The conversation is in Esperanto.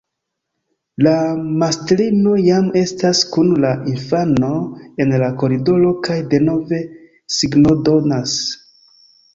La mastrino jam estas kun la infano en la koridoro kaj denove signodonas.